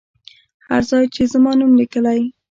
هر ځای چې زما نوم لیکلی.